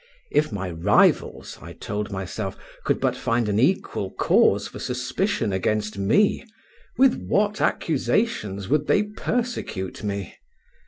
If my rivals, I told myself, could but find an equal cause for suspicion against me, with what accusations would they persecute me!